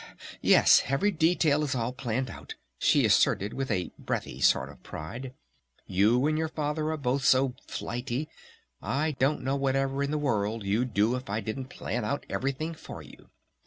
"Yes! Every detail is all planned out!" she asserted with a breathy sort of pride. "You and your Father are both so flighty I don't know whatever in the world you'd do if I didn't plan out everything for you!"